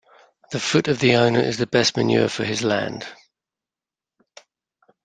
The foot of the owner is the best manure for his land.